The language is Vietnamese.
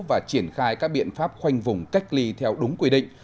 và triển khai các biện pháp khoanh vùng cách ly theo đúng quy định